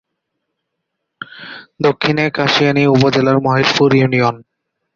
দক্ষিণে কাশিয়ানী উপজেলার মহেশপুর ইউনিয়ন।